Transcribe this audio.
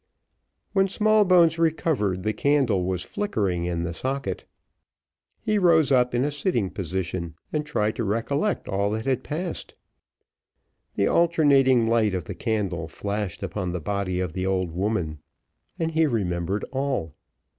When Smallbones recovered, the candle was flickering in the socket. He rose up in a sitting posture, and tried to recollect all that had passed. The alternating light of the candle flashed upon the body of the old woman, and he remembered all.